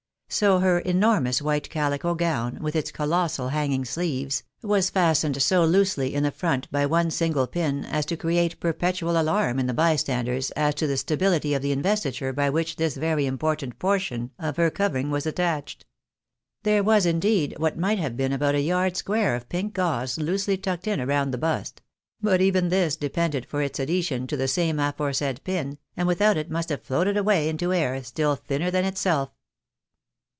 So her enormous white caUco gown, with its colossal hanging sleeves, was fastened so loosely in the front by one single pin, as to create perpetual alarm in the bystanders, as to the stabihty of the investiture by which this very important portion of her covering was attached. There was, indeed, what might have been about a yard square of pink gauze loosely tucked in around the bust ; but even this depended for its adhesion to the same aforesaid pin, and without it must have floated away into air stiU thinner than itself.